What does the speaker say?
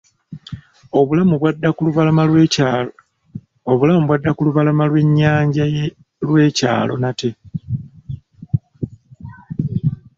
Obulamu bw'adda ku lubalama lw'ennyanja lwe kyalo n'ate.